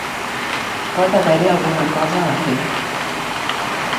Pot haver-hi alguna cosa aquí.